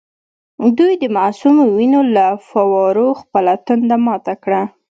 دوی د معصومو وینو له فووارو خپله تنده ماته کړه.